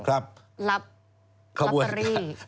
ลับตรี